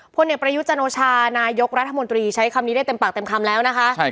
พลเอกประยุทธ์จันโอชานายกรัฐมนตรีใช้คำนี้ได้เต็มปากเต็มคำแล้วนะคะ